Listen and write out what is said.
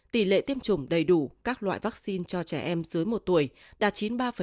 tỷ lệ tiêm chủng đầy đủ các loại vaccine cho trẻ em dưới một tuổi đạt chín mươi ba